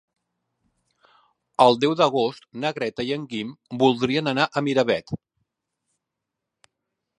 El deu d'agost na Greta i en Guim voldrien anar a Miravet.